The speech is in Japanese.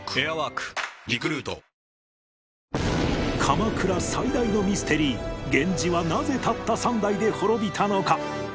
鎌倉最大のミステリー源氏はなぜたった３代で滅びたのか？